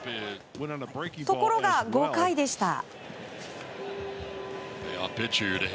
ところが５回でした。